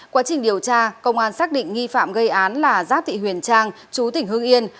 quá trình điều tra công an xác định nghi phạm gây án là giáp thị huyền trang chú tỉnh hương yên